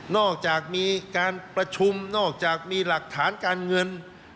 มีการประชุมนอกจากมีหลักฐานการเงิน